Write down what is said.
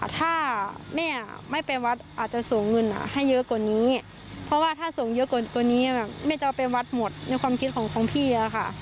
ถ้าแม่ไม่ไปวัดอาจจะส่งเงินให้เยอะกว่านี้เพราะว่าถ้าส่งเยอะกว่านี้แบบแม่จะเอาไปวัดหมดในความคิดของพี่อะค่ะ